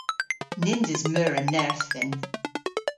Nyns eus meur a nerth dhyn.